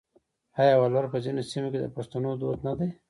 آیا ولور په ځینو سیمو کې د پښتنو دود نه دی؟